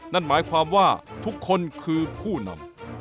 นั่นหมายความว่าทุกคนคือผู้นำ